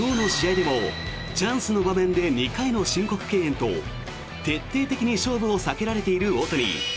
今日の試合でもチャンスの場面で２回の申告敬遠と徹底的に勝負を避けられている大谷。